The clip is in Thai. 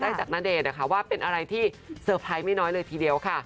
จากณเดชน์นะคะว่าเป็นอะไรที่เซอร์ไพรส์ไม่น้อยเลยทีเดียวค่ะ